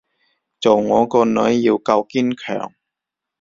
做我個女要夠堅強